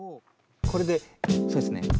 これでそうですね。